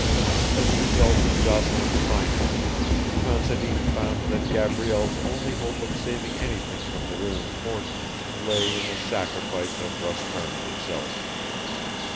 As a result of Jocelyn's finance Considine found that Gabrielle's only hope of saving anything from the ruined fortune lay in the sacrifice of Roscarna itself.